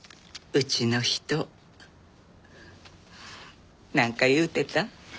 うちの人なんか言うてた？